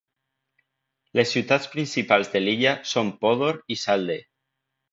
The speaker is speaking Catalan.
Les ciutats principals de l'illa són Podor i Salde.